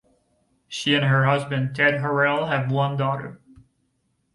She and her husband Ted Horrell have one daughter.